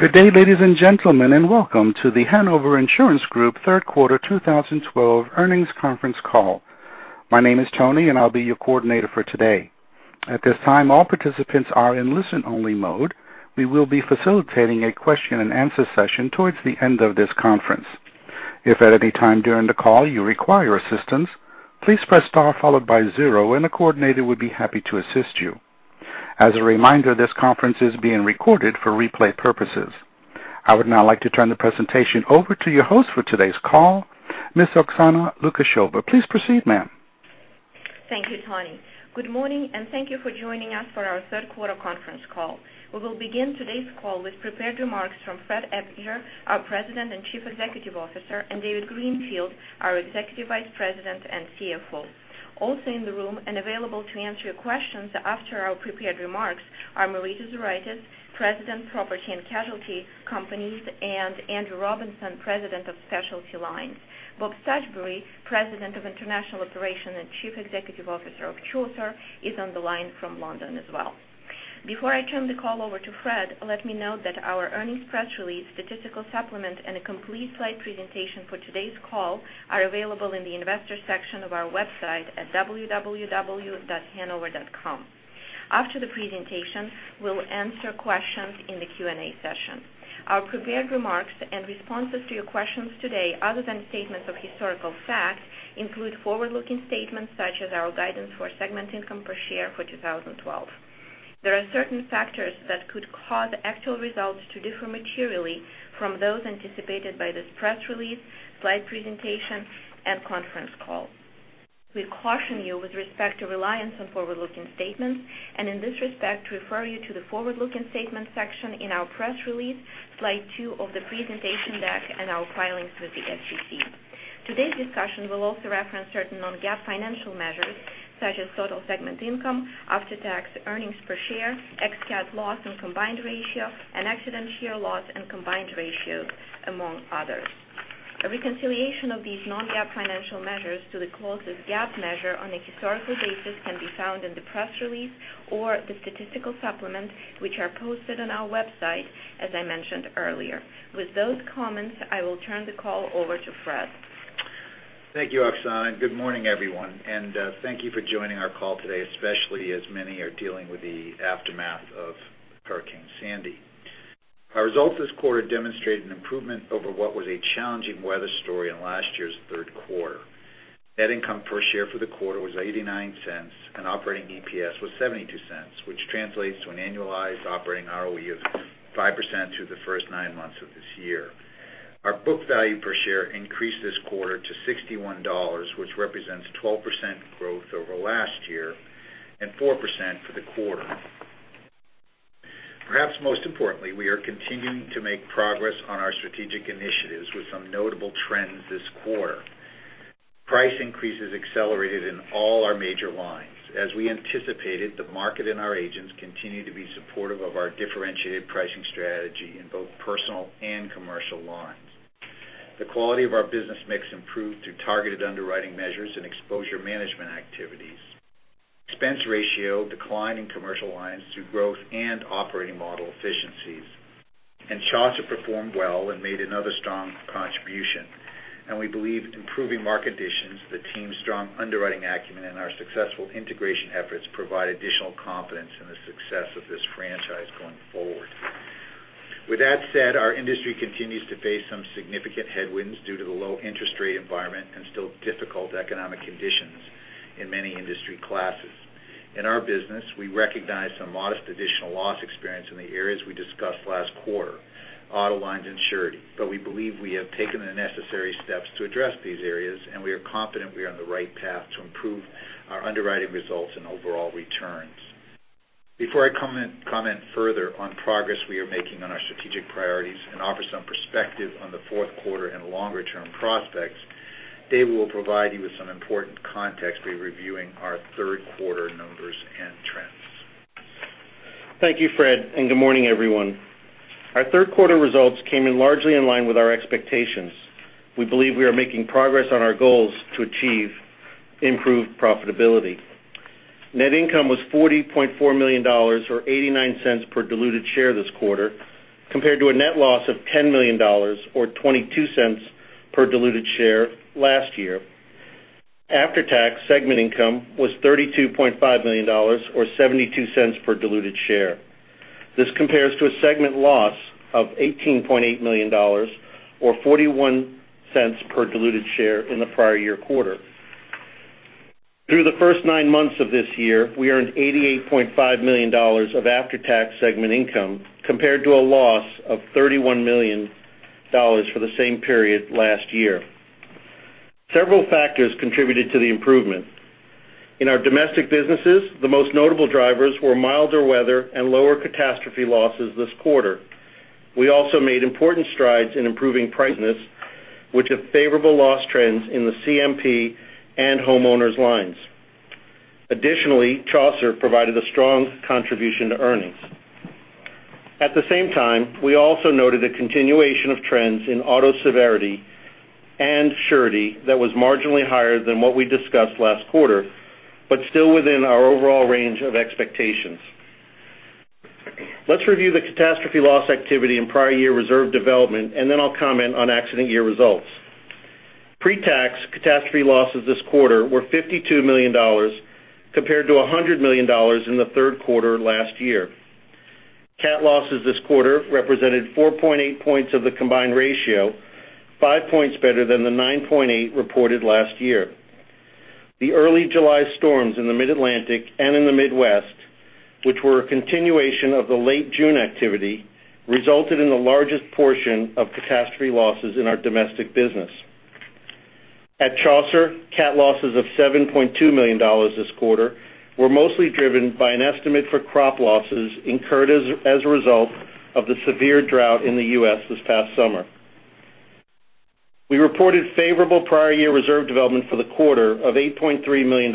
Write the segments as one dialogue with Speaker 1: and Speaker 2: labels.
Speaker 1: Good day, ladies and gentlemen, and welcome to The Hanover Insurance Group third quarter 2012 earnings conference call. My name is Tony, and I'll be your coordinator for today. At this time, all participants are in listen-only mode. We will be facilitating a question and answer session towards the end of this conference. If at any time during the call you require assistance, please press star followed by zero, and the coordinator would be happy to assist you. As a reminder, this conference is being recorded for replay purposes. I would now like to turn the presentation over to your host for today's call, Ms. Oksana Lukasheva. Please proceed, ma'am.
Speaker 2: Thank you, Tony. Good morning, and thank you for joining us for our third quarter conference call. We will begin today's call with prepared remarks from Fred Eppinger, our President and Chief Executive Officer, and David Greenfield, our Executive Vice President and CFO. Also in the room and available to answer your questions after our prepared remarks are Marita Zuraitis, President, Property and Casualty Companies, and Andrew Robinson, President of Specialty Lines. Bob Stuchbery, President of International Operations and Chief Executive Officer of Chaucer, is on the line from London as well. Before I turn the call over to Fred, let me note that our earnings press release, statistical supplement, and a complete slide presentation for today's call are available in the investors section of our website at www.hanover.com. After the presentation, we'll answer questions in the Q&A session. Our prepared remarks and responses to your questions today, other than statements of historical fact, include forward-looking statements such as our guidance for segment income per share for 2012. There are certain factors that could cause actual results to differ materially from those anticipated by this press release, slide two of the presentation deck, and our filings with the SEC. We caution you with respect to reliance on forward-looking statements, and in this respect, refer you to the forward-looking statements section in our press release, slide two of the presentation deck, and our filings with the SEC. Today's discussion will also reference certain non-GAAP financial measures, such as total segment income, after-tax earnings per share, ex-CAT loss, and combined ratio, and accident year loss and combined ratio, among others. A reconciliation of these non-GAAP financial measures to the closest GAAP measure on a historical basis can be found in the press release or the statistical supplement, which are posted on our website, as I mentioned earlier. With those comments, I will turn the call over to Fred.
Speaker 3: Thank you, Oksana, good morning, everyone. Thank you for joining our call today, especially as many are dealing with the aftermath of Hurricane Sandy. Our results this quarter demonstrated an improvement over what was a challenging weather story in last year's third quarter. Net income per share for the quarter was $0.89, operating EPS was $0.72, which translates to an annualized operating ROE of 5% through the first nine months of this year. Our book value per share increased this quarter to $61, which represents 12% growth over last year and 4% for the quarter. Perhaps most importantly, we are continuing to make progress on our strategic initiatives with some notable trends this quarter. Price increases accelerated in all our major lines. As we anticipated, the market and our agents continue to be supportive of our differentiated pricing strategy in both personal and commercial lines. The quality of our business mix improved through targeted underwriting measures and exposure management activities. Expense ratio declined in commercial lines through growth and operating model efficiencies. Chaucer performed well and made another strong contribution. We believe improving market conditions, the team's strong underwriting acumen, and our successful integration efforts provide additional confidence in the success of this franchise going forward. With that said, our industry continues to face some significant headwinds due to the low interest rate environment and still difficult economic conditions in many industry classes. In our business, we recognize some modest additional loss experience in the areas we discussed last quarter, auto lines and surety, but we believe we have taken the necessary steps to address these areas, and we are confident we are on the right path to improve our underwriting results and overall returns. Before I comment further on progress we are making on our strategic priorities and offer some perspective on the fourth quarter and longer-term prospects, Dave will provide you with some important context by reviewing our third quarter numbers and trends.
Speaker 4: Thank you, Fred, good morning, everyone. Our third quarter results came in largely in line with our expectations. We believe we are making progress on our goals to achieve improved profitability. Net income was $40.4 million, or $0.89 per diluted share this quarter, compared to a net loss of $10 million, or $0.22 per diluted share last year. After-tax segment income was $32.5 million, or $0.72 per diluted share. This compares to a segment loss of $18.8 million, or $0.41 per diluted share in the prior year quarter. Through the first nine months of this year, we earned $88.5 million of after-tax segment income, compared to a loss of $31 million for the same period last year. Several factors contributed to the improvement. In our domestic businesses, the most notable drivers were milder weather and lower catastrophe losses this quarter. We also made important strides in improving price, which have favorable loss trends in the CMP and homeowners' lines. Additionally, Chaucer provided a strong contribution to earnings. At the same time, we also noted a continuation of trends in auto severity and surety that was marginally higher than what we discussed last quarter, but still within our overall range of expectations. Let's review the CAT loss activity in prior year reserve development, and then I'll comment on accident year results. Pre-tax CAT losses this quarter were $52 million compared to $100 million in the third quarter last year. CAT losses this quarter represented 4.8 points of the combined ratio, five points better than the 9.8 reported last year. The early July storms in the Mid-Atlantic and in the Midwest, which were a continuation of the late June activity, resulted in the largest portion of CAT losses in our domestic business. At Chaucer, CAT losses of $7.2 million this quarter were mostly driven by an estimate for crop losses incurred as a result of the severe drought in the U.S. this past summer. We reported favorable prior year reserve development for the quarter of $8.3 million,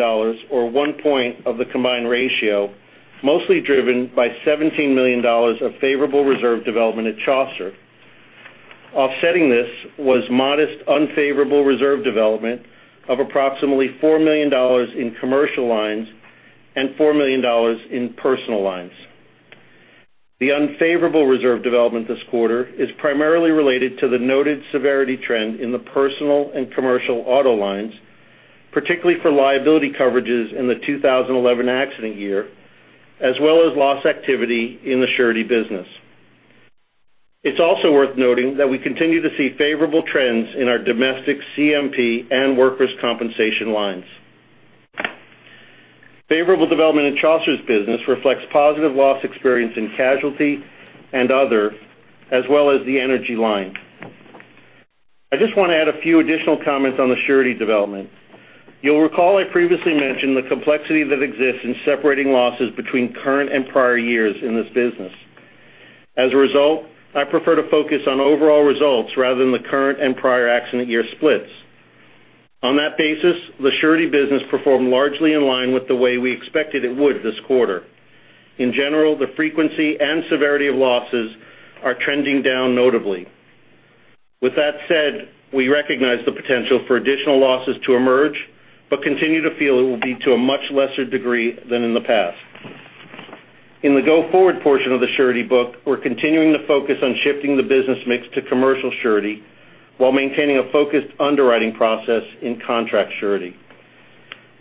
Speaker 4: or one point of the combined ratio, mostly driven by $17 million of favorable reserve development at Chaucer. Offsetting this was modest unfavorable reserve development of approximately $4 million in commercial lines and $4 million in personal lines. The unfavorable reserve development this quarter is primarily related to the noted severity trend in the personal and commercial auto lines, particularly for liability coverages in the 2011 accident year, as well as loss activity in the surety business. It's also worth noting that we continue to see favorable trends in our domestic CMP and workers' compensation lines. Favorable development in Chaucer's business reflects positive loss experience in casualty and other, as well as the energy line. I just want to add a few additional comments on the surety development. You'll recall I previously mentioned the complexity that exists in separating losses between current and prior years in this business. As a result, I prefer to focus on overall results rather than the current and prior accident year splits. On that basis, the surety business performed largely in line with the way we expected it would this quarter. In general, the frequency and severity of losses are trending down notably. With that said, we recognize the potential for additional losses to emerge, but continue to feel it will be to a much lesser degree than in the past. In the go-forward portion of the surety book, we're continuing to focus on shifting the business mix to commercial surety while maintaining a focused underwriting process in contract surety.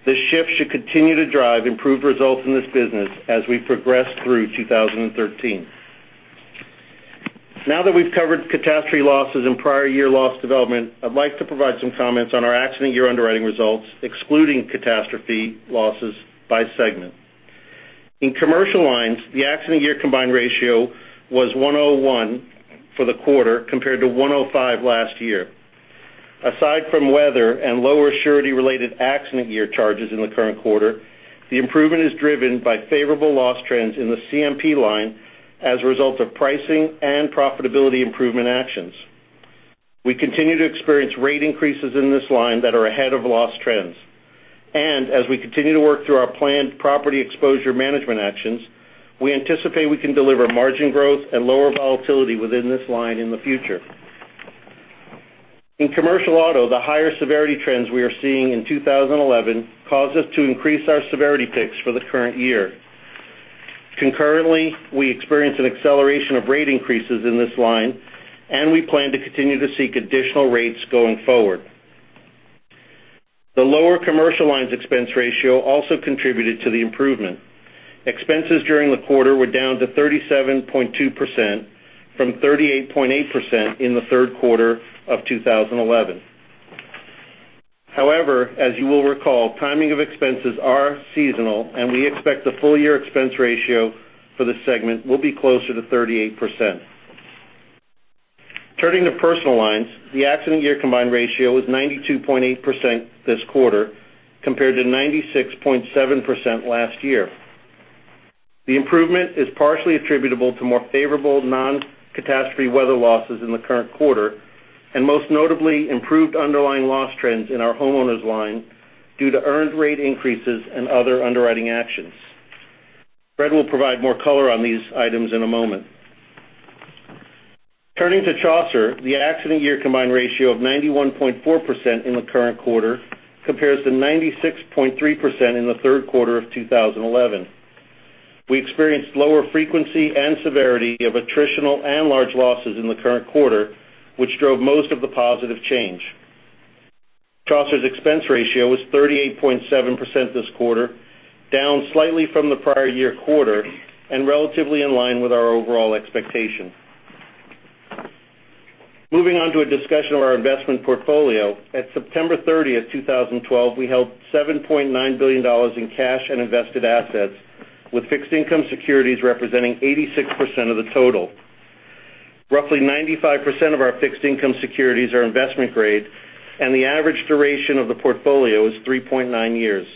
Speaker 4: This shift should continue to drive improved results in this business as we progress through 2013. Now that we've covered CAT losses and prior year loss development, I'd like to provide some comments on our accident year underwriting results, excluding CAT losses by segment. In commercial lines, the accident year combined ratio was 101 for the quarter, compared to 105 last year. Aside from weather and lower surety related accident year charges in the current quarter, the improvement is driven by favorable loss trends in the CMP line as a result of pricing and profitability improvement actions. We continue to experience rate increases in this line that are ahead of loss trends. As we continue to work through our planned property exposure management actions, we anticipate we can deliver margin growth and lower volatility within this line in the future. In commercial auto, the higher severity trends we are seeing in 2011 caused us to increase our severity picks for the current year. Concurrently, we experienced an acceleration of rate increases in this line, and we plan to continue to seek additional rates going forward. The lower commercial lines expense ratio also contributed to the improvement. Expenses during the quarter were down to 37.2% from 38.8% in the third quarter of 2011. However, as you will recall, timing of expenses are seasonal and we expect the full year expense ratio for the segment will be closer to 38%. Turning to personal lines, the accident year combined ratio was 92.8% this quarter, compared to 96.7% last year. The improvement is partially attributable to more favorable non-catastrophe weather losses in the current quarter, and most notably improved underlying loss trends in our homeowners line due to earned rate increases and other underwriting actions. Fred will provide more color on these items in a moment. Turning to Chaucer, the accident year combined ratio of 91.4% in the current quarter compares to 96.3% in the third quarter of 2011. We experienced lower frequency and severity of attritional and large losses in the current quarter, which drove most of the positive change. Chaucer's expense ratio was 38.7% this quarter, down slightly from the prior year quarter, and relatively in line with our overall expectation. Moving on to a discussion of our investment portfolio. At September 30th, 2012, we held $7.9 billion in cash and invested assets with fixed income securities representing 86% of the total. Roughly 95% of our fixed income securities are investment grade, and the average duration of the portfolio is 3.9 years.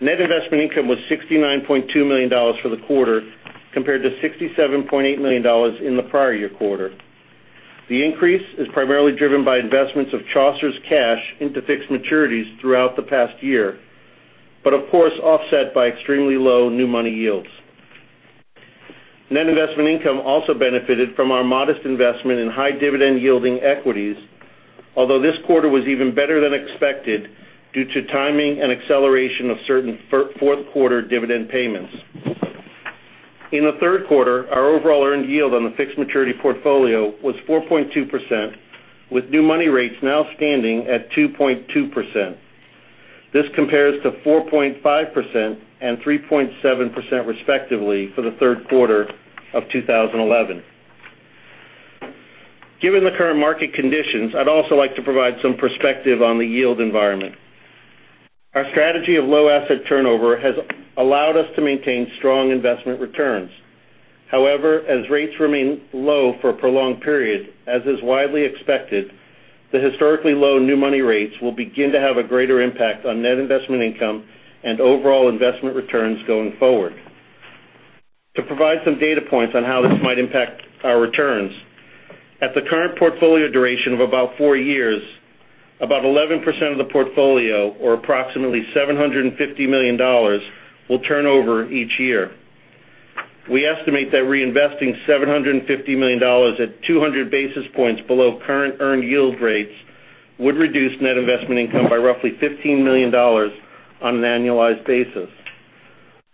Speaker 4: Net investment income was $69.2 million for the quarter, compared to $67.8 million in the prior year quarter. The increase is primarily driven by investments of Chaucer's cash into fixed maturities throughout the past year, but of course, offset by extremely low new money yields. Net investment income also benefited from our modest investment in high dividend yielding equities, although this quarter was even better than expected due to timing and acceleration of certain fourth quarter dividend payments. In the third quarter, our overall earned yield on the fixed maturity portfolio was 4.2%, with new money rates now standing at 2.2%. This compares to 4.5% and 3.7%, respectively, for the third quarter of 2011. Given the current market conditions, I'd also like to provide some perspective on the yield environment. Our strategy of low asset turnover has allowed us to maintain strong investment returns. However, as rates remain low for a prolonged period, as is widely expected, the historically low new money rates will begin to have a greater impact on net investment income and overall investment returns going forward. To provide some data points on how this might impact our returns, at the current portfolio duration of about four years, about 11% of the portfolio or approximately $750 million will turn over each year. We estimate that reinvesting $750 million at 200 basis points below current earned yield rates would reduce net investment income by roughly $15 million on an annualized basis.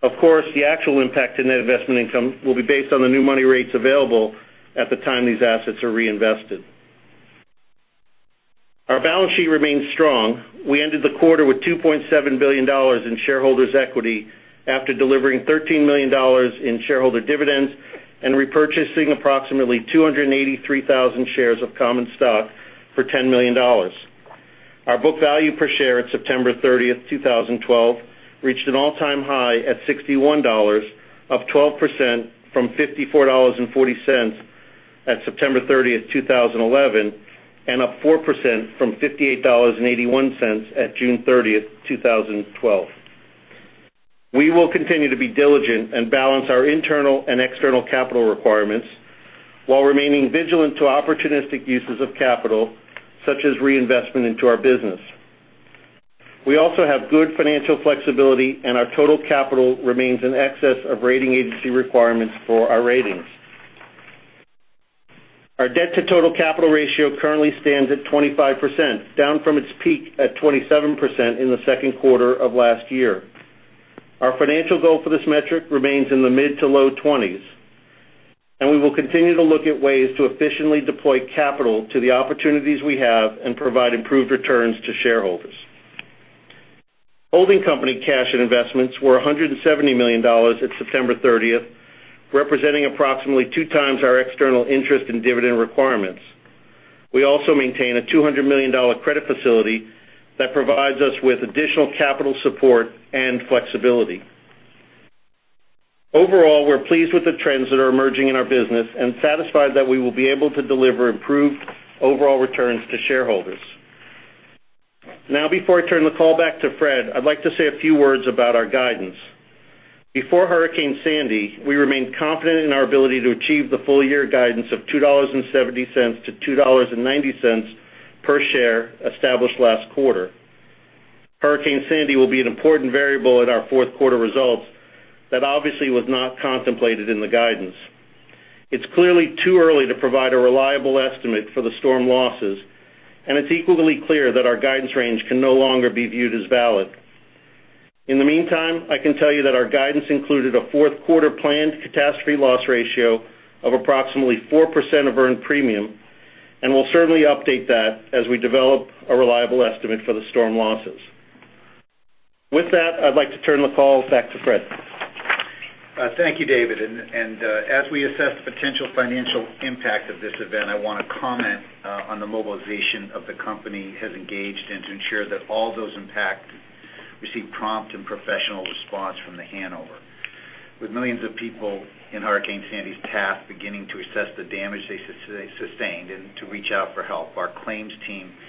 Speaker 4: Of course, the actual impact to net investment income will be based on the new money rates available at the time these assets are reinvested. Our balance sheet remains strong. We ended the quarter with $2.7 billion in shareholders' equity after delivering $13 million in shareholder dividends and repurchasing approximately 283,000 shares of common stock for $10 million. Our book value per share at September 30th, 2012, reached an all-time high at $61, up 12% from $54.40 at September 30th, 2011, and up 4% from $58.81 at June 30th, 2012. We will continue to be diligent and balance our internal and external capital requirements while remaining vigilant to opportunistic uses of capital, such as reinvestment into our business. We also have good financial flexibility, and our total capital remains in excess of rating agency requirements for our ratings. Our debt to total capital ratio currently stands at 25%, down from its peak at 27% in the second quarter of last year. Our financial goal for this metric remains in the mid to low 20s. We will continue to look at ways to efficiently deploy capital to the opportunities we have and provide improved returns to shareholders. Holding company cash and investments were $170 million at September 30th, representing approximately two times our external interest and dividend requirements. We also maintain a $200 million credit facility that provides us with additional capital support and flexibility. We're pleased with the trends that are emerging in our business and satisfied that we will be able to deliver improved overall returns to shareholders. Before I turn the call back to Fred, I'd like to say a few words about our guidance. Before Hurricane Sandy, we remained confident in our ability to achieve the full year guidance of $2.70 to $2.90 per share established last quarter. Hurricane Sandy will be an important variable at our fourth quarter results that obviously was not contemplated in the guidance. It's clearly too early to provide a reliable estimate for the storm losses. It's equally clear that our guidance range can no longer be viewed as valid. In the meantime, I can tell you that our guidance included a fourth quarter planned catastrophe loss ratio of approximately 4% of earned premium. We'll certainly update that as we develop a reliable estimate for the storm losses. With that, I'd like to turn the call back to Fred.
Speaker 3: Thank you, David. As we assess the potential financial impact of this event, I want to comment on the mobilization of the company has engaged in to ensure that all those impacted receive prompt and professional response from The Hanover. With millions of people in Hurricane Sandy's path beginning to assess the damage they sustained and to reach out for help, our claims team is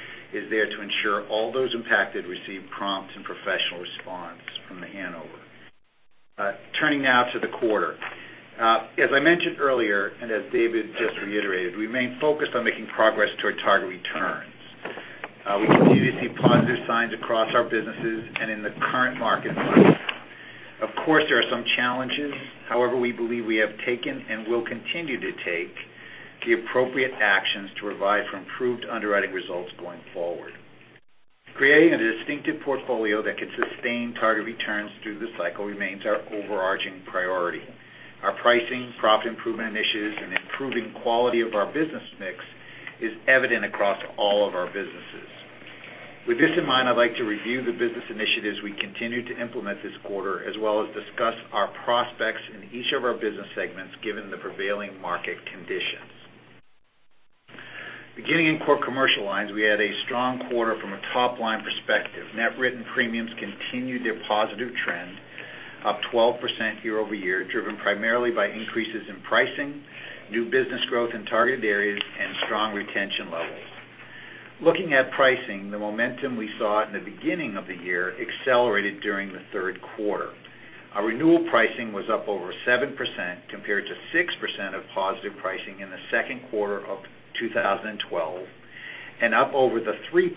Speaker 3: there to ensure all those impacted receive prompt and professional response from The Hanover. Turning now to the quarter. As I mentioned earlier, as David just reiterated, we remain focused on making progress to our target returns. We continue to see positive signs across our businesses and in the current market. Of course, there are some challenges. However, we believe we have taken and will continue to take the appropriate actions to revise for improved underwriting results going forward. Creating a distinctive portfolio that can sustain target returns through the cycle remains our overarching priority. Our pricing, profit improvement initiatives, and improving quality of our business mix is evident across all of our businesses. With this in mind, I'd like to review the business initiatives we continue to implement this quarter, as well as discuss our prospects in each of our business segments given the prevailing market conditions. Beginning in core commercial lines, we had a strong quarter from a top-line perspective. Net written premiums continued their positive trend, up 12% year-over-year, driven primarily by increases in pricing, new business growth in targeted areas, and strong retention levels. Looking at pricing, the momentum we saw at the beginning of the year accelerated during the third quarter. Our renewal pricing was up over 7% compared to 6% of positive pricing in the second quarter of 2012. Up over the 3%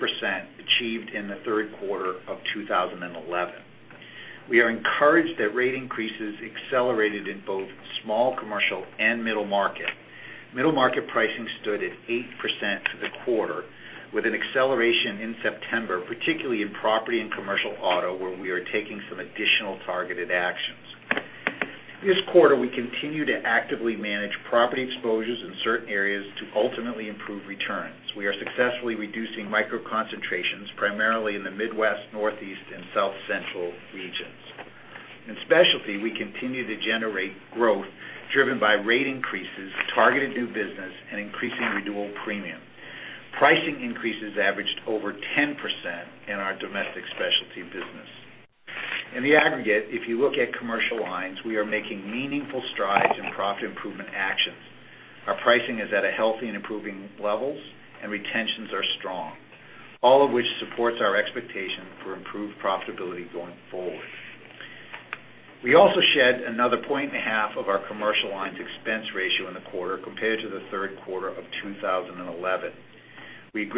Speaker 3: achieved in the third quarter of 2011. We are encouraged that rate increases accelerated in both small commercial and middle market. Middle market pricing stood at 8% for the quarter, with an acceleration in September, particularly in property and commercial auto, where we are taking some additional targeted actions. This quarter, we continue to actively manage property exposures in certain areas to ultimately improve returns. We are successfully reducing micro concentrations, primarily in the Midwest, Northeast, and South Central regions. In specialty, we continue to generate growth driven by rate increases, targeted new business, and increasing renewal premium. Pricing increases averaged over 10% in our domestic specialty business. In the aggregate, if you look at commercial lines, we are making meaningful strides in profit improvement actions. Our pricing is at a healthy and improving levels. Retentions are strong, all of which supports our expectation for improved profitability going forward. We also shed another point and a half of our commercial lines expense ratio in the quarter compared to the third quarter of 2011. We've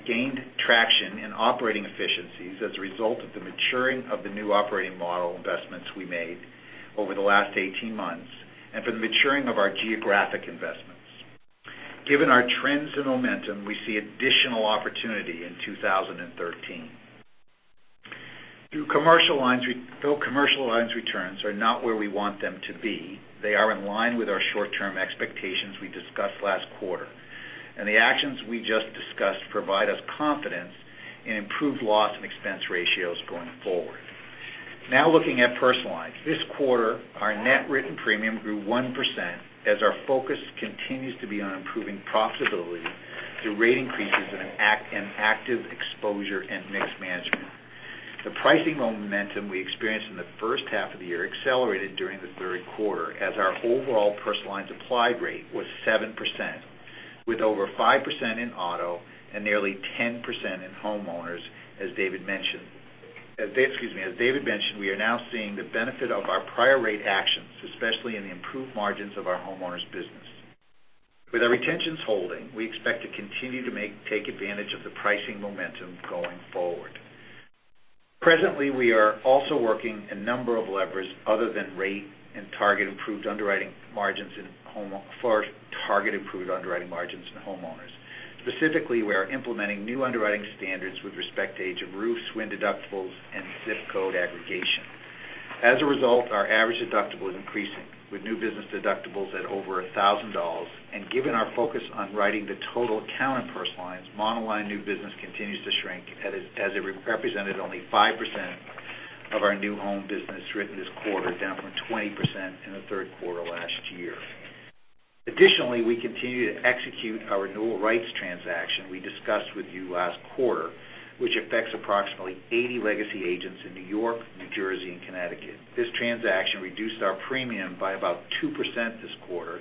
Speaker 3: gained traction in operating efficiencies as a result of the maturing of the new operating model investments we made over the last 18 months and for the maturing of our geographic investments. Given our trends and momentum, we see additional opportunity in 2013. Though commercial lines returns are not where we want them to be, they are in line with our short-term expectations we discussed last quarter, and the actions we just discussed provide us confidence in improved loss and expense ratios going forward. Now looking at personal lines. This quarter, our net written premium grew 1% as our focus continues to be on improving profitability through rate increases and active exposure and mix management. The pricing momentum we experienced in the first half of the year accelerated during the third quarter as our overall personal lines applied rate was 7%, with over 5% in auto and nearly 10% in homeowners, as David mentioned. Excuse me, as David mentioned, we are now seeing the benefit of our prior rate actions, especially in the improved margins of our homeowners business. With our retentions holding, we expect to continue to take advantage of the pricing momentum going forward. Presently, we are also working a number of levers other than rate and target improved underwriting margins in homeowners. Specifically, we are implementing new underwriting standards with respect to age of roofs, wind deductibles, and zip code aggregation. As a result, our average deductible is increasing, with new business deductibles at over $1,000. Given our focus on writing the total account in personal lines, monoline new business continues to shrink as it represented only 5% of our new home business written this quarter, down from 20% in the third quarter last year. Additionally, we continue to execute our renewal rights transaction we discussed with you last quarter, which affects approximately 80 legacy agents in N.Y., N.J., and Conn. This transaction reduced our premium by about 2% this quarter,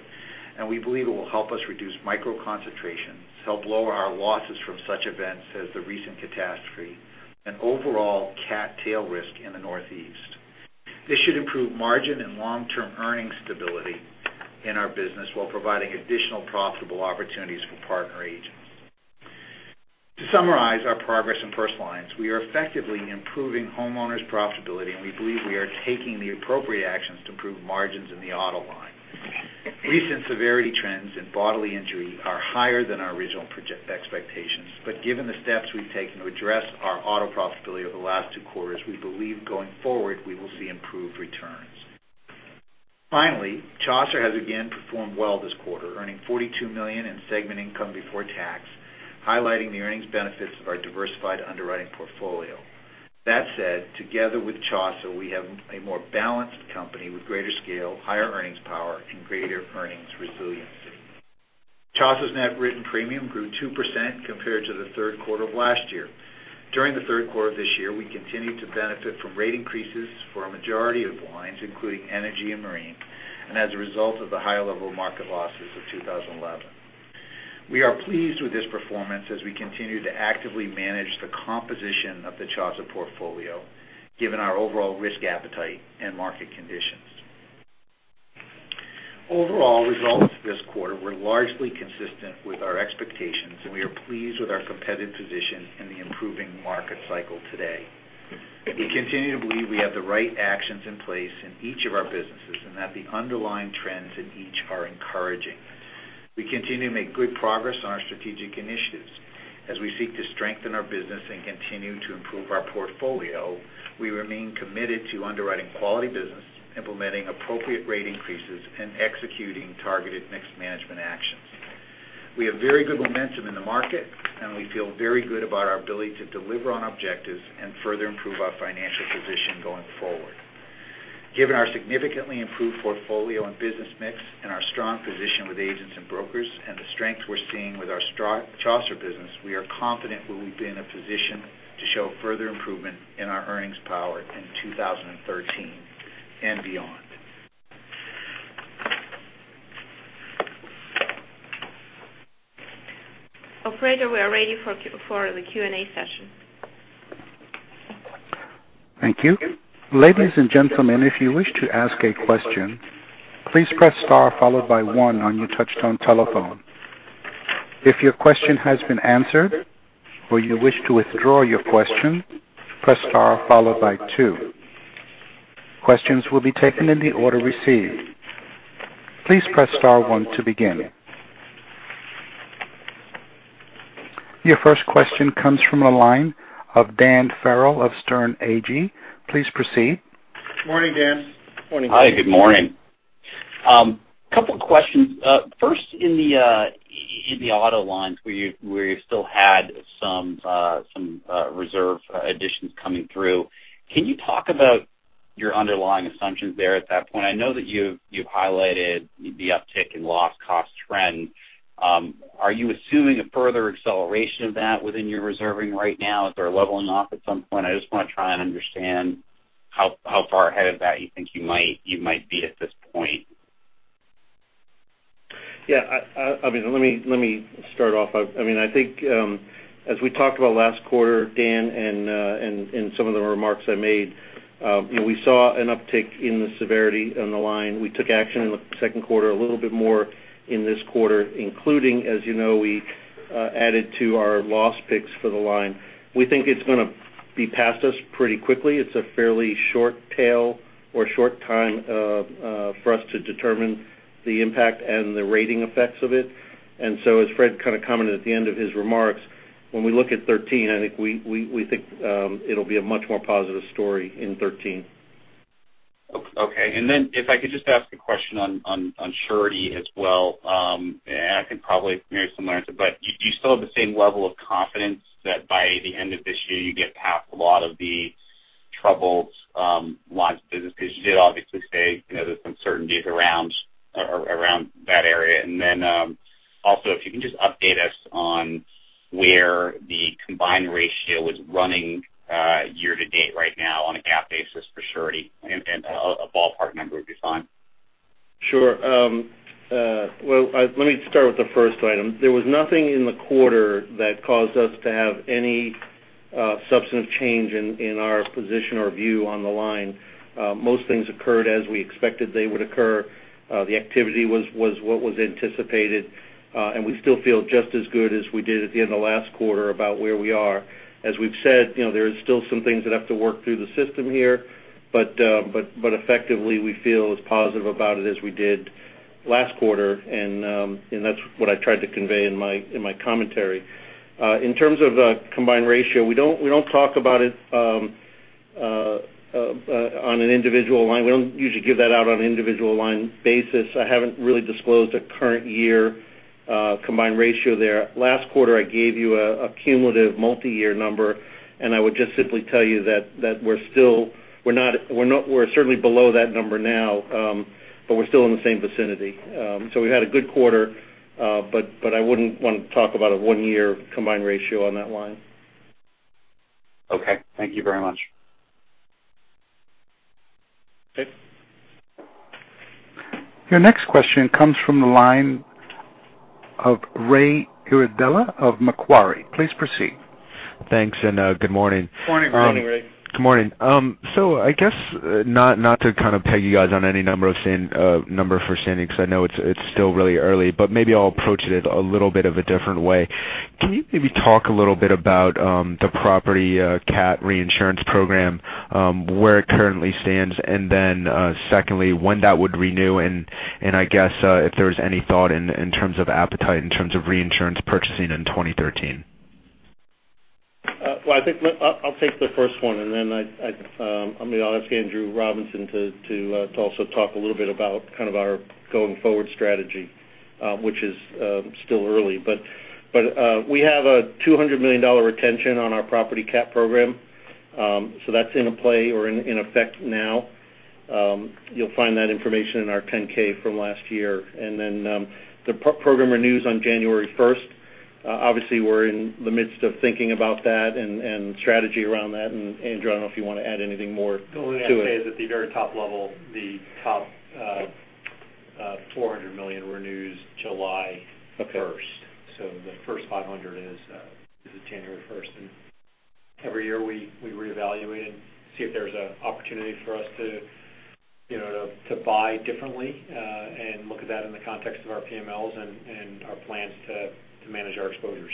Speaker 3: and we believe it will help us reduce micro concentrations, help lower our losses from such events as the recent catastrophe, an overall CAT tail risk in the Northeast. This should improve margin and long-term earning stability in our business while providing additional profitable opportunities for partner agents. To summarize our progress in personal lines, we are effectively improving homeowners' profitability, and we believe we are taking the appropriate actions to improve margins in the auto line. Recent severity trends in bodily injury are higher than our original project expectations, but given the steps we've taken to address our auto profitability over the last two quarters, we believe going forward, we will see improved returns. Finally, Chaucer has again performed well this quarter, earning $42 million in segment income before tax, highlighting the earnings benefits of our diversified underwriting portfolio. That said, together with Chaucer, we have a more balanced company with greater scale, higher earnings power, and greater earnings resiliency. Chaucer's net written premium grew 2% compared to the third quarter of last year. During the third quarter of this year, we continued to benefit from rate increases for a majority of lines, including energy and marine, and as a result of the high level market losses of 2011. We are pleased with this performance as we continue to actively manage the composition of the Chaucer portfolio, given our overall risk appetite and market conditions. Overall results this quarter were largely consistent with our expectations, and we are pleased with our competitive position in the improving market cycle today. We continue to believe we have the right actions in place in each of our businesses and that the underlying trends in each are encouraging. We continue to make good progress on our strategic initiatives. As we seek to strengthen our business and continue to improve our portfolio, we remain committed to underwriting quality business, implementing appropriate rate increases, and executing targeted mixed management actions. We have very good momentum in the market, and we feel very good about our ability to deliver on objectives and further improve our financial position going forward. Given our significantly improved portfolio and business mix and our strong position with agents and brokers, and the strength we're seeing with our Chaucer business, we are confident that we'll be in a position to show further improvement in our earnings power in 2013 and beyond.
Speaker 2: Operator, we are ready for the Q&A session.
Speaker 1: Thank you. Ladies and gentlemen, if you wish to ask a question, please press star followed by one on your touchtone telephone. If your question has been answered or you wish to withdraw your question, press star followed by two. Questions will be taken in the order received. Please press star one to begin. Your first question comes from the line of Dan Farrell of Sterne Agee. Please proceed.
Speaker 4: Morning, Dan.
Speaker 3: Morning.
Speaker 5: Hi, good morning. Couple questions. First, in the auto lines where you still had some reserve additions coming through, can you talk about your underlying assumptions there at that point? I know that you've highlighted the uptick in loss cost trend. Are you assuming a further acceleration of that within your reserving right now? Is there a leveling off at some point? I just want to try and understand how far ahead of that you think you might be at this point.
Speaker 4: Yeah. Let me start off. I think as we talked about last quarter, Dan, and some of the remarks I made, we saw an uptick in the severity on the line. We took action in the second quarter, a little bit more in this quarter, including, as you know, we added to our loss picks for the line. We think it's going to be past us pretty quickly. It's a fairly short tail or short time for us to determine the impact and the rating effects of it. As Fred kind of commented at the end of his remarks, when we look at 2013, I think we think it'll be a much more positive story in 2013.
Speaker 5: Okay. If I could just ask a question on Surety as well. I can probably hear a similar answer, do you still have the same level of confidence that by the end of this year, you get past a lot of the troubled lines of business? You did obviously say there's some uncertainties around that area. Also, if you can just update us on where the combined ratio is running year-to-date right now on a GAAP basis for Surety, a ballpark number would be fine.
Speaker 4: Sure. Well, let me start with the first item. There was nothing in the quarter that caused us to have any substantive change in our position or view on the line. Most things occurred as we expected they would occur. The activity was what was anticipated. We still feel just as good as we did at the end of last quarter about where we are. As we've said, there is still some things that have to work through the system here, effectively, we feel as positive about it as we did last quarter, that's what I tried to convey in my commentary. In terms of the combined ratio, we don't talk about it on an individual line. We don't usually give that out on an individual line basis. I haven't really disclosed a current year combined ratio there. Last quarter, I gave you a cumulative multi-year number, I would just simply tell you that we're certainly below that number now, we're still in the same vicinity. We had a good quarter, I wouldn't want to talk about a one-year combined ratio on that line.
Speaker 5: Okay. Thank you very much.
Speaker 4: Okay.
Speaker 1: Your next question comes from the line of Ray Iardella of Macquarie. Please proceed.
Speaker 6: Thanks, good morning.
Speaker 4: Morning, Ray.
Speaker 3: Morning.
Speaker 6: Good morning. I guess not to kind of peg you guys on any number for Sandy, because I know it's still really early, but maybe I'll approach it a little bit of a different way. Can you maybe talk a little bit about the property CAT reinsurance program, where it currently stands, and secondly, when that would renew and I guess, if there's any thought in terms of appetite, in terms of reinsurance purchasing in 2013?
Speaker 4: I think I'll take the first one, I'm going to ask Andrew Robinson to also talk a little bit about kind of our going forward strategy, which is still early. We have a $200 million retention on our property CAT program. That's in play or in effect now. You'll find that information in our 10-K from last year. The program renews on January 1st. Obviously, we're in the midst of thinking about that and strategy around that, and Andrew, I don't know if you want to add anything more to it.
Speaker 7: The only thing I'd say is at the very top level, the top $400 million renews July 1st.
Speaker 6: Okay.
Speaker 7: The first $500 is January 1st. Every year we reevaluate and see if there's an opportunity for us to buy differently, and look at that in the context of our PMLs and our plans to manage our exposures.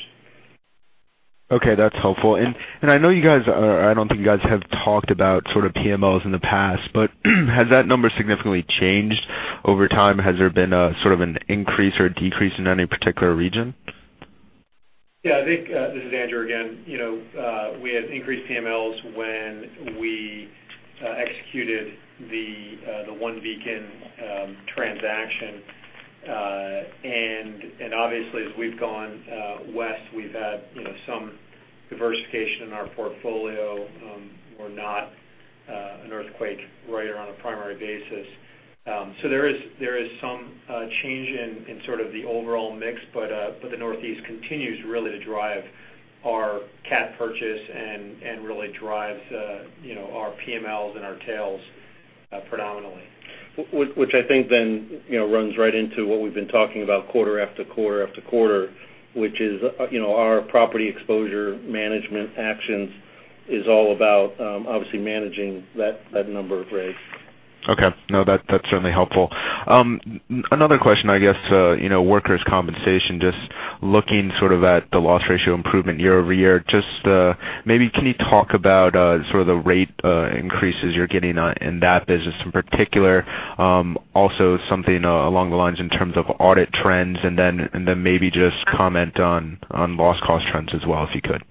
Speaker 6: Okay, that's helpful. I know you guys. I don't think you guys have talked about sort of PMLs in the past, has that number significantly changed over time? Has there been a sort of an increase or decrease in any particular region?
Speaker 7: Yeah, I think, this is Andrew again. We had increased PMLs when we executed the OneBeacon transaction. Obviously as we've gone west, we've had some diversification in our portfolio. We're not an earthquake writer on a primary basis. There is some change in sort of the overall mix, the Northeast continues really to drive our CAT purchase and really drives our PMLs and our tails.
Speaker 3: Predominantly.
Speaker 8: Which I think then runs right into what we've been talking about quarter after quarter after quarter, which is our property exposure management actions is all about, obviously managing that number of rates.
Speaker 6: Okay. No, that's certainly helpful. Another question, I guess, workers' compensation, just looking sort of at the loss ratio improvement year-over-year. Just maybe can you talk about sort of the rate increases you're getting in that business in particular? Something along the lines in terms of audit trends, maybe just comment on loss cost trends as well, if you could.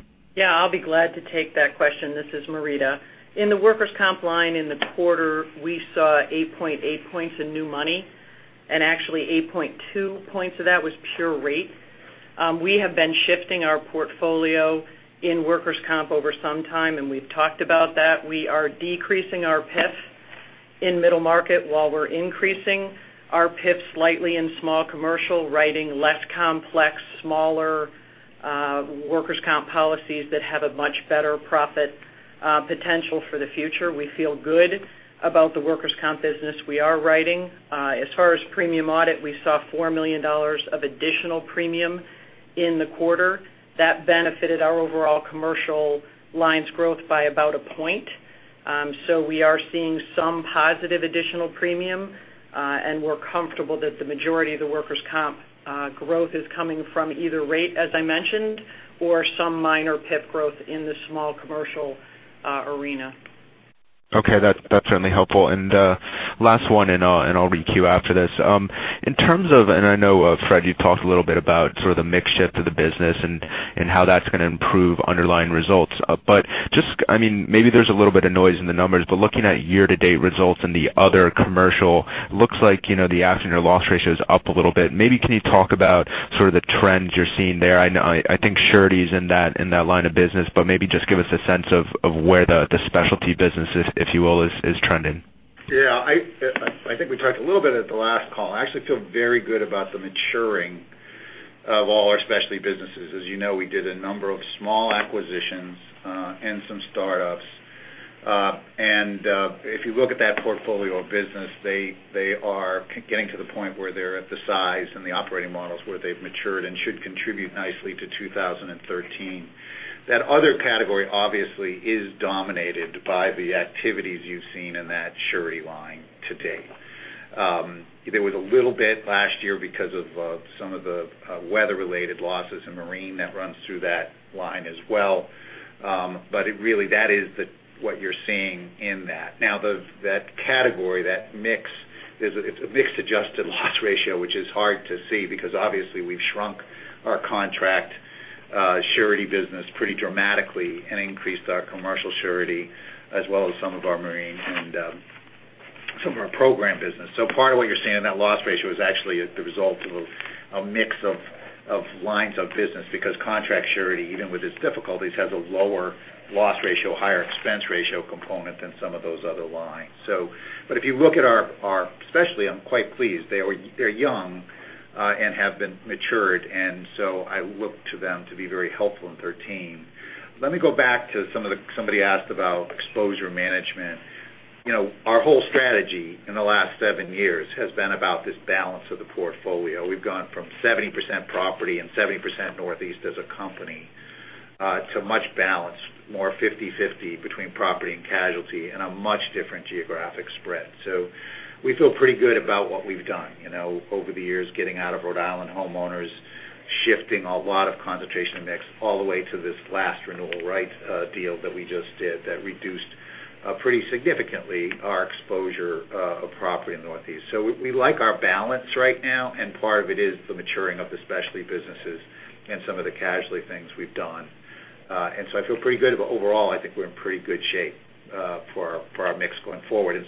Speaker 8: I'll be glad to take that question. This is Marita. In the workers' comp line in the quarter, we saw 8.8 points in new money, and actually 8.2 points of that was pure rate. We have been shifting our portfolio in workers' comp over some time, and we've talked about that. We are decreasing our PIP in middle market while we're increasing our PIP slightly in small commercial, writing less complex, smaller workers' comp policies that have a much better profit potential for the future. We feel good about the workers' comp business we are writing. As far as premium audit, we saw $4 million of additional premium in the quarter. That benefited our overall commercial lines growth by about a point. We are seeing some positive additional premium. We're comfortable that the majority of the workers' comp growth is coming from either rate, as I mentioned, or some minor PIP growth in the small commercial arena.
Speaker 6: Okay. That's certainly helpful. Last one, I'll re-queue after this. In terms of, Fred, you talked a little bit about sort of the mix shift of the business and how that's going to improve underlying results. Maybe there's a little bit of noise in the numbers, but looking at year-to-date results in the other commercial, looks like the accident or loss ratio is up a little bit. Maybe can you talk about sort of the trends you're seeing there? I think surety is in that line of business, but maybe just give us a sense of where the specialty business, if you will, is trending.
Speaker 3: Yeah. I think we talked a little bit at the last call. I actually feel very good about the maturing of all our specialty businesses. As you know, we did a number of small acquisitions, and some startups. If you look at that portfolio of business, they are getting to the point where they're at the size and the operating models where they've matured and should contribute nicely to 2013. That other category obviously is dominated by the activities you've seen in that surety line to date. There was a little bit last year because of some of the weather related losses in marine that runs through that line as well. Really that is what you're seeing in that. That category, that mix, it's a mixed adjusted loss ratio, which is hard to see because obviously we've shrunk our contract surety business pretty dramatically and increased our commercial surety as well as some of our marine and some of our program business. Part of what you're seeing in that loss ratio is actually the result of a mix of lines of business because contract surety, even with its difficulties, has a lower loss ratio, higher expense ratio component than some of those other lines. If you look at our specialty, I'm quite pleased. They're young, and have been matured, and I look to them to be very helpful in 2013. Let me go back to somebody asked about exposure management. Our whole strategy in the last seven years has been about this balance of the portfolio. We've gone from 70% property and 70% Northeast as a company, to much balance, more 50/50 between property and casualty and a much different geographic spread. We feel pretty good about what we've done over the years, getting out of Rhode Island homeowners, shifting a lot of concentration mix all the way to this last renewal rights deal that we just did that reduced pretty significantly our exposure of property in the Northeast. We like our balance right now, and part of it is the maturing of the specialty businesses and some of the casualty things we've done. I feel pretty good about overall, I think we're in pretty good shape for our mix going forward.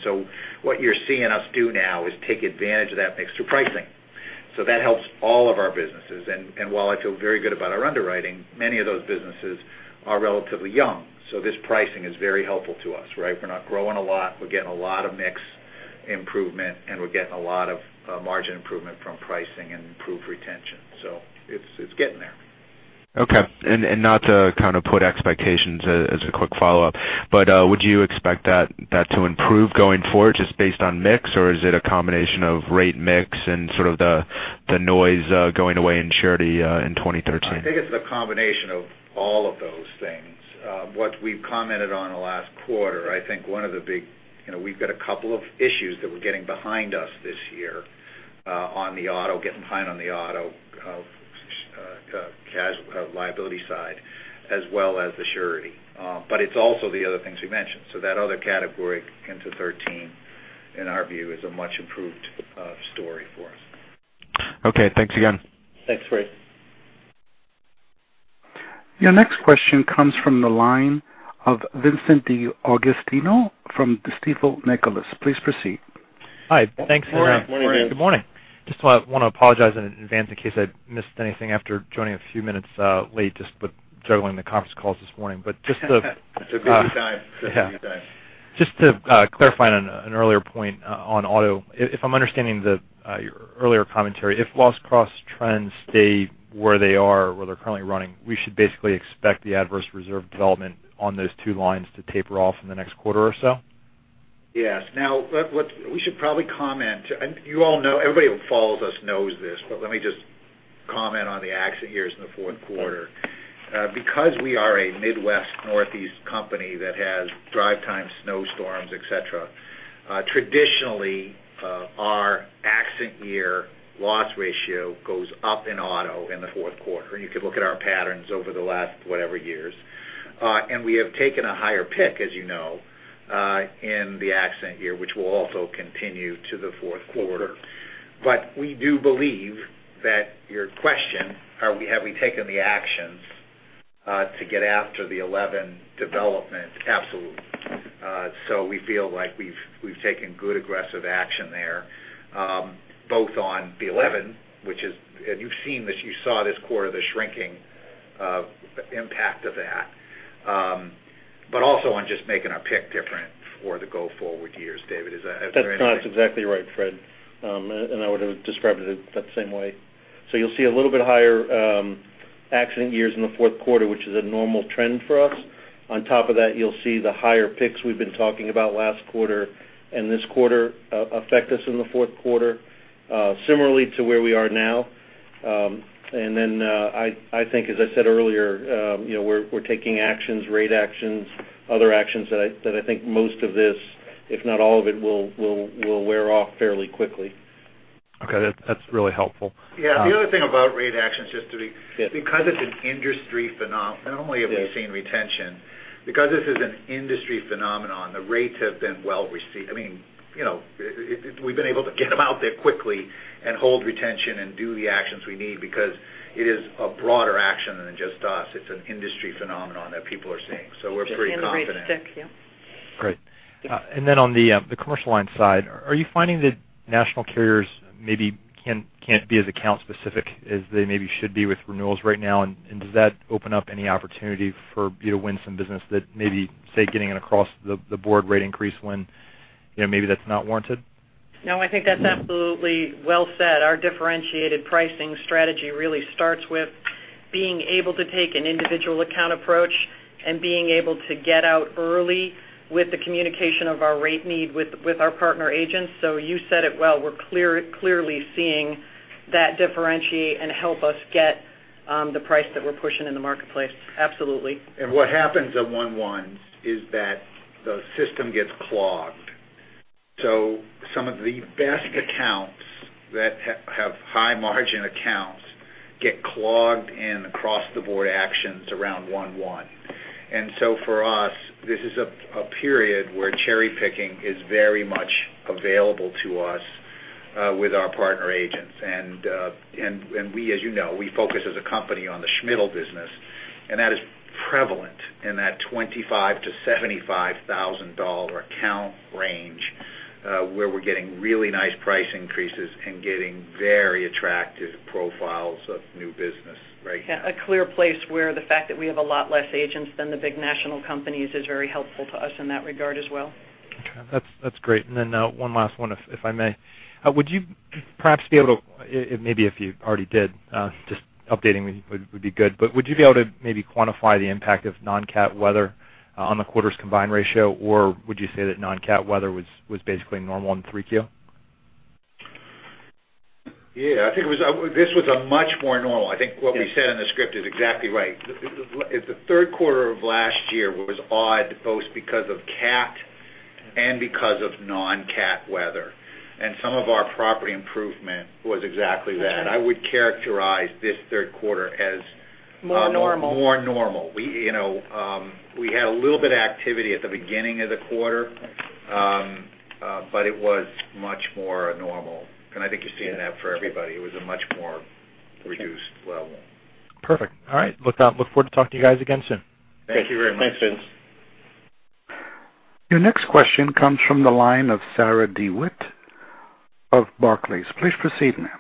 Speaker 3: What you're seeing us do now is take advantage of that mix through pricing. That helps all of our businesses. While I feel very good about our underwriting, many of those businesses are relatively young. This pricing is very helpful to us, right? We're not growing a lot. We're getting a lot of mix improvement, and we're getting a lot of margin improvement from pricing and improved retention. It's getting there.
Speaker 6: Okay. Not to kind of put expectations as a quick follow-up, but would you expect that to improve going forward just based on mix, or is it a combination of rate mix and sort of the noise going away in surety in 2013?
Speaker 3: I think it's a combination of all of those things. What we've commented on the last quarter, we've got a couple of issues that we're getting behind us this year on the auto liability side as well as the surety. It's also the other things we mentioned. That other category into 2013, in our view, is a much improved story for us.
Speaker 6: Okay. Thanks again.
Speaker 3: Thanks, Ray.
Speaker 1: Your next question comes from the line of Vincent D'Agostino from Stifel Nicolaus. Please proceed.
Speaker 9: Hi. Thanks.
Speaker 3: Morning.
Speaker 9: Good morning. Just want to apologize in advance in case I missed anything after joining a few minutes late, just with juggling the conference calls this morning.
Speaker 3: It's a busy time.
Speaker 9: Yeah. Just to clarify on an earlier point on auto, if I'm understanding your earlier commentary, if loss cost trends stay where they are, where they're currently running, we should basically expect the adverse reserve development on those two lines to taper off in the next quarter or so?
Speaker 3: Yes. We should probably comment, everybody who follows us knows this, let me just comment on the accident years in the fourth quarter. Because we are a Midwest, Northeast company that has drive time, snowstorms, et cetera, traditionally, our accident year loss ratio goes up in auto in the fourth quarter. You could look at our patterns over the last whatever years. We have taken a higher pick, as you know, in the accident year, which will also continue to the fourth quarter. We do believe that your question, have we taken the actions to get after the 11 development? Absolutely. We feel like we've taken good, aggressive action there, both on the 11, you've seen this, you saw this quarter, the shrinking impact of that, also on just making our pick different for the go forward years. David, is there anything-
Speaker 4: That's exactly right, Fred. I would've described it that same way. You'll see a little bit higher accident years in the fourth quarter, which is a normal trend for us. On top of that, you'll see the higher picks we've been talking about last quarter and this quarter affect us in the fourth quarter similarly to where we are now. I think as I said earlier, we're taking actions, rate actions, other actions that I think most of this, if not all of it, will wear off fairly quickly.
Speaker 9: Okay. That's really helpful.
Speaker 3: Yeah. The other thing about rate actions.
Speaker 9: Yeah
Speaker 3: Because it's an industry phenomenon, not only have we seen retention, because this is an industry phenomenon, the rates have been well received. We've been able to get them out there quickly and hold retention and do the actions we need because it is a broader action than just us. It's an industry phenomenon that people are seeing. We're pretty confident.
Speaker 8: In the rate stick, yeah.
Speaker 9: Great. On the commercial line side, are you finding that national carriers maybe can't be as account specific as they maybe should be with renewals right now, and does that open up any opportunity for you to win some business that maybe, say getting an across the board rate increase when maybe that's not warranted?
Speaker 8: No, I think that's absolutely well said. Our differentiated pricing strategy really starts with being able to take an individual account approach and being able to get out early with the communication of our rate need with our partner agents. You said it well. We're clearly seeing that differentiate and help us get the price that we're pushing in the marketplace. Absolutely.
Speaker 3: What happens at 1/1 is that the system gets clogged. Some of the best accounts that have high margin accounts get clogged in across the board actions around 1/1. For us, this is a period where cherry picking is very much available to us with our partner agents. We, as you know, we focus as a company on the small-to-middle business, and that is prevalent in that $25,000-$75,000 account range, where we're getting really nice price increases and getting very attractive profiles of new business right now.
Speaker 8: Yeah, a clear place where the fact that we have a lot less agents than the big national companies is very helpful to us in that regard as well.
Speaker 9: Okay. That's great. One last one, if I may. Would you perhaps be able to, maybe if you already did, just updating me would be good, but would you be able to maybe quantify the impact of non-CAT weather on the quarter's combined ratio, or would you say that non-CAT weather was basically normal in 3Q?
Speaker 3: Yeah, I think this was a much more normal. I think what we said in the script is exactly right. The third quarter of last year was odd, both because of CAT and because of non-CAT weather. Some of our property improvement was exactly that. I would characterize this third quarter as-
Speaker 8: More normal
Speaker 3: More normal. We had a little bit of activity at the beginning of the quarter, but it was much more normal. I think you're seeing that for everybody. It was a much more reduced level.
Speaker 9: Perfect. All right. Look forward to talking to you guys again soon.
Speaker 3: Thank you very much.
Speaker 8: Thanks, Vince.
Speaker 1: Your next question comes from the line of Sarah DeWitt of Barclays. Please proceed, ma'am.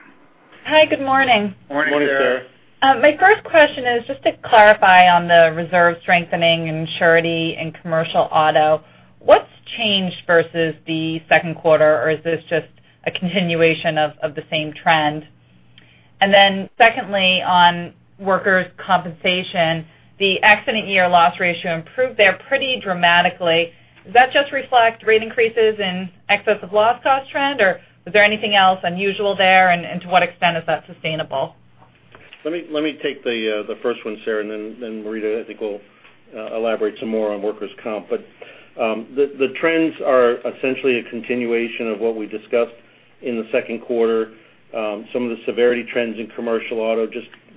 Speaker 10: Hi, good morning.
Speaker 3: Morning, Sarah.
Speaker 8: Morning.
Speaker 10: My first question is just to clarify on the reserve strengthening and surety in commercial auto, what's changed versus the second quarter or is this just a continuation of the same trend? Secondly, on workers' compensation, the accident year loss ratio improved there pretty dramatically. Does that just reflect rate increases in excess of loss cost trend, or was there anything else unusual there, and to what extent is that sustainable?
Speaker 4: Let me take the first one, Sarah, then Marita, I think, will elaborate some more on workers' comp. The trends are essentially a continuation of what we discussed in the second quarter. Some of the severity trends in commercial auto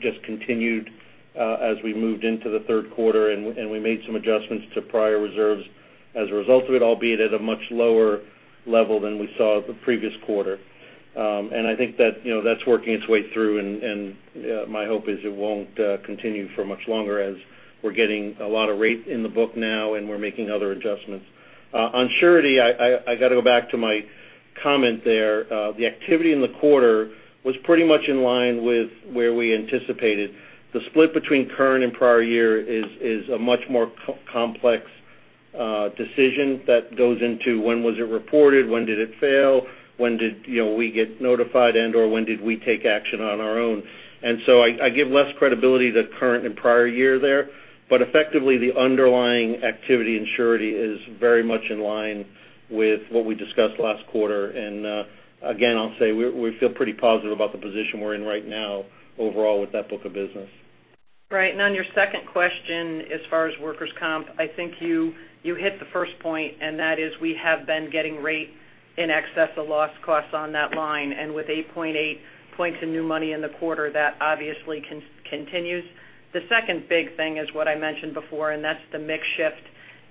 Speaker 4: just continued as we moved into the third quarter, and we made some adjustments to prior reserves as a result of it, albeit at a much lower level than we saw the previous quarter. I think that's working its way through, and my hope is it won't continue for much longer as we're getting a lot of rate in the book now and we're making other adjustments. On surety, I got to go back to my comment there. The activity in the quarter was pretty much in line with where we anticipated. The split between current and prior year is a much more complex decision that goes into when was it reported? When did it fail? When did we get notified and/or when did we take action on our own? I give less credibility to current and prior year there. Effectively, the underlying activity in surety is very much in line with what we discussed last quarter. Again, I'll say we feel pretty positive about the position we're in right now overall with that book of business.
Speaker 8: Right. On your second question, as far as workers' comp, I think you hit the first point, and that is we have been getting rate in excess of loss costs on that line. With 8.8 points in new money in the quarter, that obviously continues. The second big thing is what I mentioned before, and that's the mix shift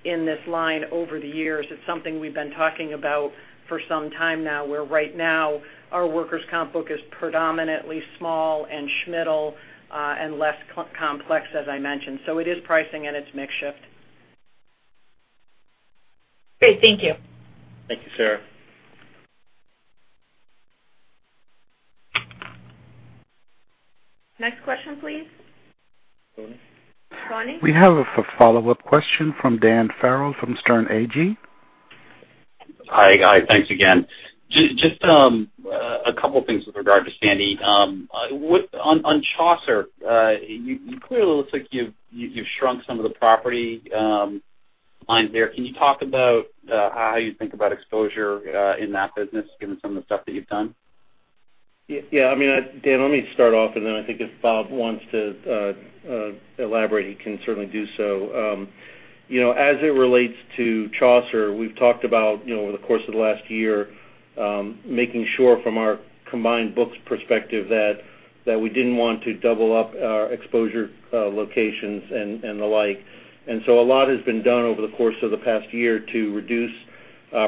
Speaker 8: in this line over the years. It's something we've been talking about for some time now, where right now our workers' comp book is predominantly small and small-to-middle, and less complex, as I mentioned. It is pricing and it's mix shift.
Speaker 10: Great. Thank you.
Speaker 4: Thank you, Sarah.
Speaker 8: Next question, please.
Speaker 4: Bonnie?
Speaker 8: Bonnie?
Speaker 1: We have a follow-up question from Daniel Farrell from Sterne Agee.
Speaker 5: Hi. Thanks again. Just two things with regard to Sandy. On Chaucer, it clearly looks like you've shrunk some of the property lines there. Can you talk about how you think about exposure in that business, given some of the stuff that you've done?
Speaker 4: Yeah. Dan, let me start off, and then I think if Bob wants to elaborate, he can certainly do so. As it relates to Chaucer, we've talked about over the course of the last year, making sure from our combined books perspective, that we didn't want to double up our exposure locations and the like. A lot has been done over the course of the past year to reduce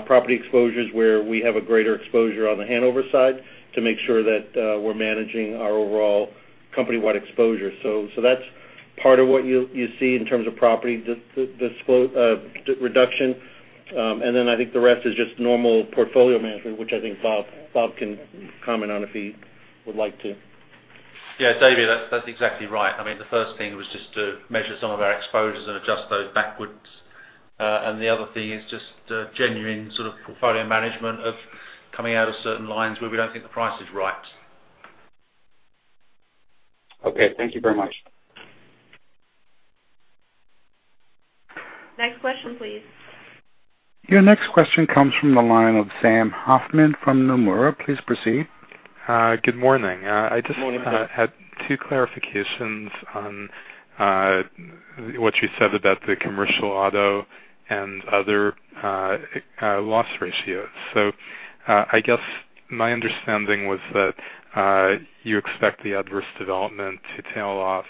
Speaker 4: property exposures where we have a greater exposure on The Hanover side to make sure that we're managing our overall company-wide exposure. That's part of what you see in terms of property reduction. I think the rest is just normal portfolio management, which I think Bob can comment on if he would like to.
Speaker 11: Yeah, David, that's exactly right. I mean, the first thing was just to measure some of our exposures and adjust those backwards. The other thing is just genuine sort of portfolio management of coming out of certain lines where we don't think the price is right.
Speaker 5: Okay. Thank you very much.
Speaker 8: Next question, please.
Speaker 1: Your next question comes from the line of Sam Hoffman from Nomura. Please proceed.
Speaker 12: Hi. Good morning.
Speaker 4: Good morning.
Speaker 12: I just had two clarifications on what you said about the commercial auto and other loss ratios. I guess my understanding was that you expect the adverse development to tail off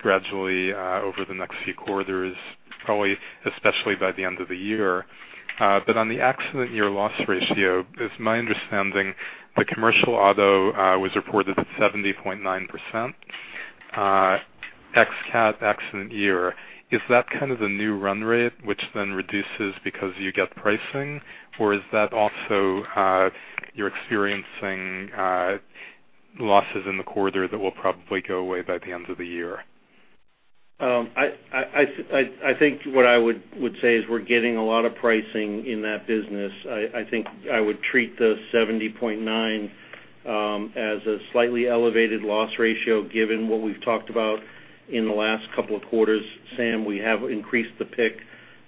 Speaker 12: gradually over the next few quarters, probably especially by the end of the year. On the accident year loss ratio, it's my understanding that commercial auto was reported at 70.9%, X CAT, accident year. Is that kind of the new run rate, which then reduces because you get pricing? Or is that also you're experiencing losses in the quarter that will probably go away by the end of the year?
Speaker 4: I think what I would say is we're getting a lot of pricing in that business. I think I would treat the 70.9 as a slightly elevated loss ratio, given what we've talked about in the last couple of quarters. Sam, we have increased the pick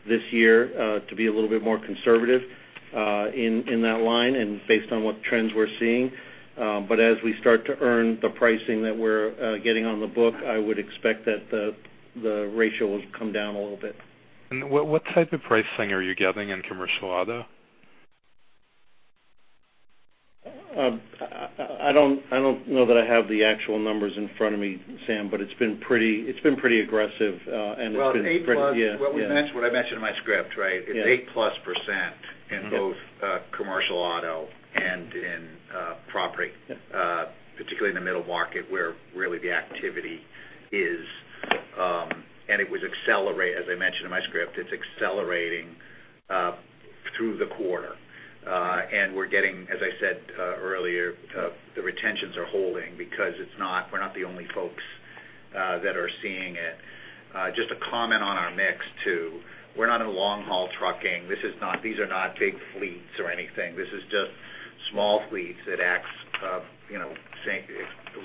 Speaker 4: this year to be a little bit more conservative in that line and based on what trends we're seeing. As we start to earn the pricing that we're getting on the book, I would expect that the ratio will come down a little bit.
Speaker 12: What type of pricing are you getting in commercial auto?
Speaker 4: I don't know that I have the actual numbers in front of me, Sam, but it's been pretty aggressive. Yeah.
Speaker 3: Well, eight plus. What I mentioned in my script, right?
Speaker 4: Yeah.
Speaker 3: It's eight plus % in both commercial auto and in property, particularly in the middle market where really the activity is. As I mentioned in my script, it's accelerating through the quarter. We're getting, as I said earlier, the retentions are holding because we're not the only folks that are seeing it. Just to comment on our mix too. We're not in long haul trucking. These are not big fleets or anything. This is just small fleets that acts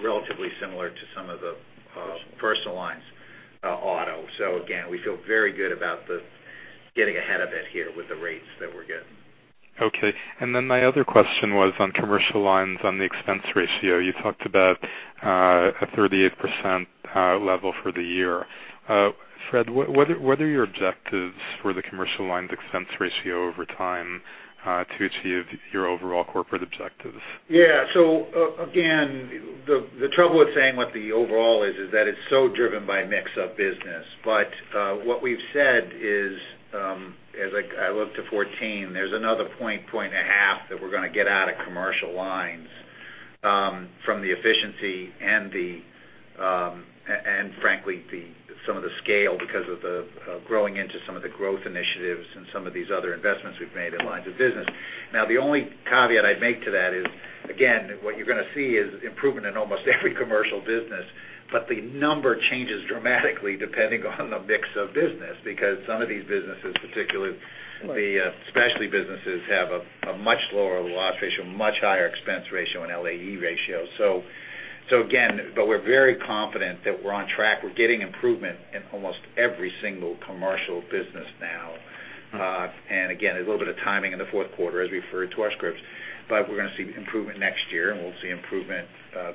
Speaker 3: relatively similar to some of the personal lines auto. Again, we feel very good about getting ahead of it here with the rates that we're getting.
Speaker 12: Okay. Then my other question was on commercial lines on the expense ratio. You talked about a 38% level for the year. Fred, what are your objectives for the commercial lines expense ratio over time to achieve your overall corporate objectives?
Speaker 3: Again, the trouble with saying what the overall is that it is so driven by mix of business. But what we have said is, as I look to 2014, there is another point and a half that we are going to get out of commercial lines from the efficiency and frankly, some of the scale because of growing into some of the growth initiatives and some of these other investments we have made in lines of business. The only caveat I would make to that is, again, what you are going to see is improvement in almost every commercial business, but the number changes dramatically depending on the mix of business, because some of these businesses, particularly the specialty businesses, have a much lower loss ratio, much higher expense ratio, and LAE ratio. Again, but we are very confident that we are on track. Again, a little bit of timing in the fourth quarter, as we referred to our scripts, but we are going to see improvement next year, and we will see improvement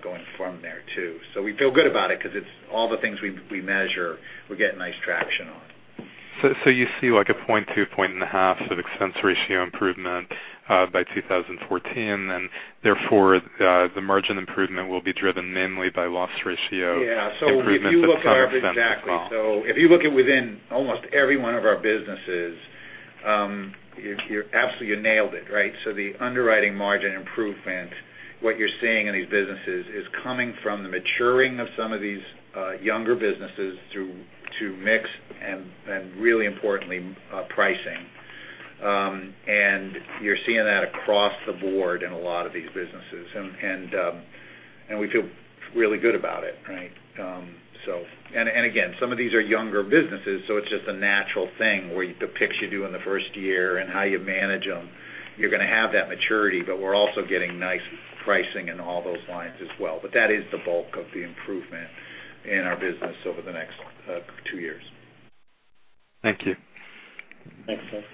Speaker 3: going from there, too. We feel good about it because it is all the things we measure, we are getting nice traction on.
Speaker 12: You see like a point two, point and a half of expense ratio improvement by 2014, and therefore the margin improvement will be driven mainly by loss ratio improvement of kind of a 1% as well.
Speaker 3: If you look at it within almost every one of our businesses, absolutely, you nailed it, right? The underwriting margin improvement, what you are seeing in these businesses is coming from the maturing of some of these younger businesses through to mix and really importantly, pricing. You are seeing that across the board in a lot of these businesses. We feel really good about it, right? Again, some of these are younger businesses, so it is just a natural thing where the picks you do in the first year and how you manage them, you are going to have that maturity, but we are also getting nice pricing in all those lines as well. But that is the bulk of the improvement in our business over the next two years.
Speaker 12: Thank you.
Speaker 4: Thanks, Sam.